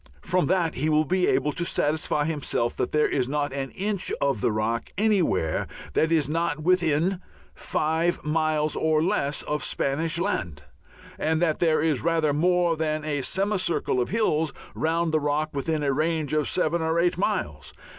From that he will be able to satisfy himself that there is not an inch of the rock anywhere that is not within five miles or less of Spanish land, and that there is rather more than a semicircle of hills round the rock within a range of seven or eight miles.